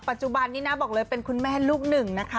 ปัจจุบันนี้นะบอกเลยเป็นคุณแม่ลูกหนึ่งนะคะ